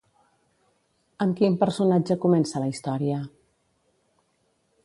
Amb quin personatge comença la història?